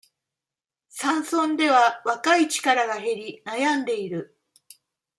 山村では、若い力が減り、悩んでいる。